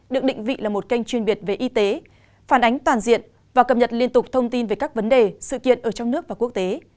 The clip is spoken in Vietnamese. được định vị là một kênh chuyên biệt về y tế phản ánh toàn diện và cập nhật liên tục thông tin về các vấn đề sự kiện ở trong nước và quốc tế